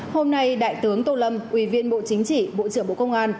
hôm nay đại tướng tô lâm ủy viên bộ chính trị bộ trưởng bộ công an